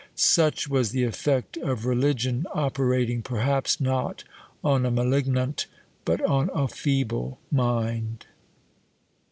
Such was the effect of religion operating, perhaps not on a malignant, but on a feeble mind!